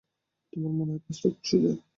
তোমার মনে হয় কাজটা খুব সোজা?